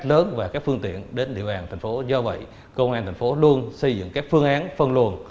lớn và các phương tiện đến địa bàn thành phố do vậy công an thành phố luôn xây dựng các phương án phân luồn